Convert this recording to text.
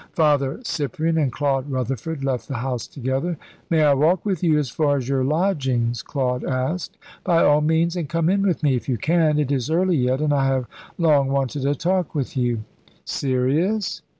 Father Cyprian and Claude Rutherford left the house together. "May I walk with you as far as your lodgings?" Claude asked. "By all means, and come in with me, if you can. It is early yet, and I have long wanted a talk with you." "Serious?"